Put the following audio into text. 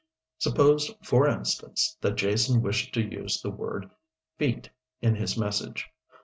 Suppose, for instance, that Jason wished to use the word "feet" in his message.